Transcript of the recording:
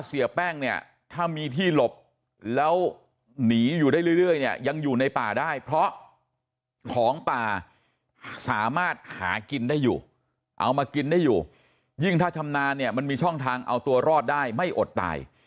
เชื่อป่าได้เพราะของป่าสามารถหากินได้อยู่เอามากินได้อยู่ยิ่งถ้าชำนาญเนี่ยมันมีช่องทางเอาตัวรอดได้ไม่อดตาย